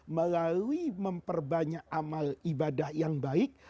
melalui memperbanyak amal ibadah yang baik